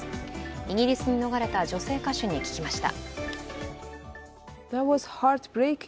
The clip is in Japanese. イギリスに逃れた女性歌手に聞きました。